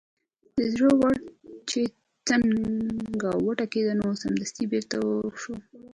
د زړه ور چې څنګه وټکېد نو سمدستي بېرته شو.